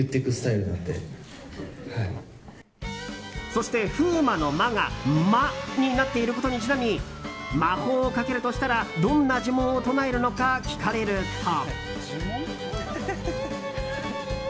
そして、風磨の「磨」が「魔」になっていることにちなみ魔法をかけるとしたらどんな呪文を唱えるのか聞かれると。